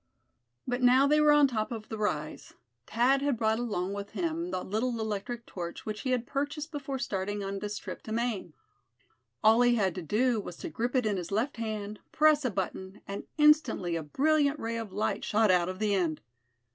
But now they were on top of the rise. Thad had brought along with him the little electric torch which he had purchased before starting on this trip to Maine. All he had to do was to grip it in his left hand, press a button, and instantly a brilliant ray of light shot out of the end.